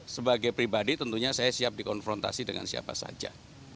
sebagai pribadi tentunya saya siap dikonfrontasi dengan siapa saja